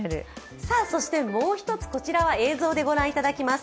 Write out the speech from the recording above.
そして、もう一つ、こちらは映像でご覧いただきます。